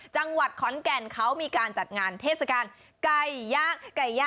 จังหวัดขอนแก่นเขามีการจัดงานเทศกาลไก่ย่างไก่ย่าง